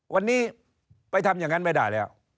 วันนี้ไปทำอย่างนั้นไม่ได้แล้ว